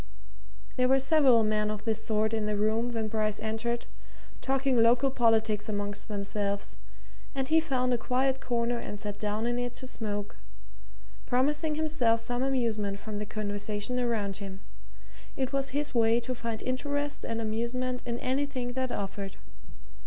There were several men of this sort in the room when Bryce entered, talking local politics amongst themselves, and he found a quiet corner and sat down in it to smoke, promising himself some amusement from the conversation around him; it was his way to find interest and amusement in anything that offered.